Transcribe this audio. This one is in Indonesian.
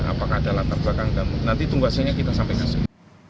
apakah ada latar belakang nanti tunggu hasilnya kita sampai kasih